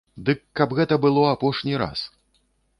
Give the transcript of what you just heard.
Дык каб гэта было апошні раз.